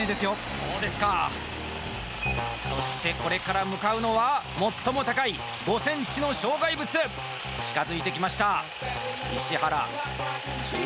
そうですかそしてこれから向かうのは最も高い５センチの障害物近づいてきました石原注意